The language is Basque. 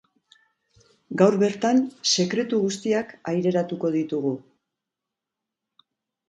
Gaur bertan, sekretu guztiak aireratuko ditugu!